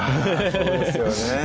そうですよね